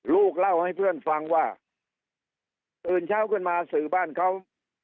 ลูกเล่าให้เพื่อนฟังว่าตื่นเช้าขึ้นมาสื่อบ้านเขา